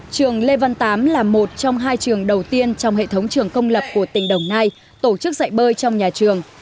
trường lê văn tám là một trong hai trường đầu tiên trong hệ thống trường công lập của tỉnh đồng nai tổ chức dạy bơi trong nhà trường